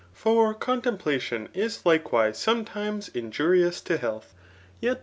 For contemplation is likewise sometimes injurious to health; yet the.